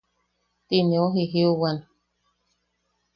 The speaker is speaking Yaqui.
Ti neu jijiuwan: